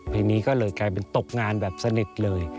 นี้ก็เลยกลายเป็นตกงานแบบสนิทเลย